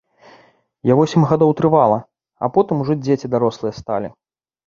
Я восем гадоў трывала, а потым ужо дзеці дарослыя сталі.